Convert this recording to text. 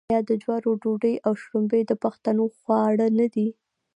آیا د جوارو ډوډۍ او شړومبې د پښتنو خواړه نه دي؟